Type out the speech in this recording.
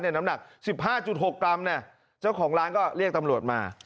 น้ำหนัก๑๕๖กรัมเจ้าของร้านก็เรียกตำรวจมา